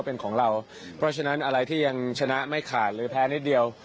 เป็นของเราเพราะฉะนั้นอะไรที่ยังชนะไม่ขาดหรือแพ้นิดเดียว